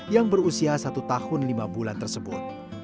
yang berusia satu tahun lima bulan tersebut